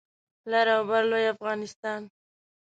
لر او بر لوی افغانستان